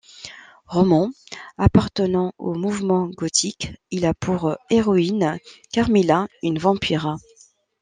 Roman appartenant au mouvement gothique, il a pour héroïne Carmilla, une vampire.